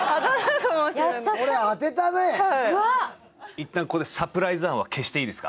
いったんここでサプライズ案は消していいですか？